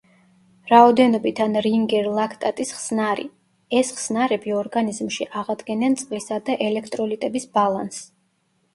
რაოდენობით ან რინგერ–ლაქტატის ხსნარი; ეს ხსნარები ორგანიზმში აღადგენენ წყლისა და ელექტროლიტების ბალანსს.